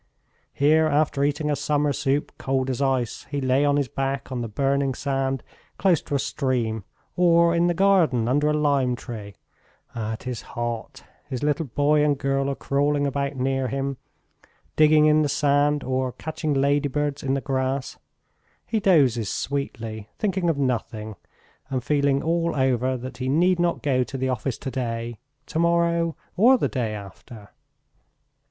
Here, after eating a summer soup, cold as ice, he lay on his back on the burning sand close to a stream or in the garden under a lime tree.... It is hot.... His little boy and girl are crawling about near him, digging in the sand or catching ladybirds in the grass. He dozes sweetly, thinking of nothing, and feeling all over that he need not go to the office today, tomorrow, or the day after.